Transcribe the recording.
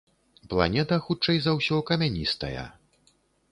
Планета хутчэй за ўсё камяністая.